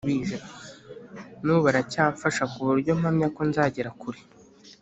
n’ubu baracyamfasha ku buryo mpamya ko nzagera kure.